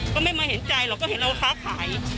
ก็ไม่มาเห็นใจหรอกก็เห็นเราค้าขาย